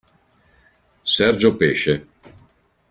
Sergio Pesce